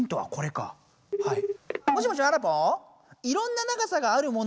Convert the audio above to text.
いろんな長さがある。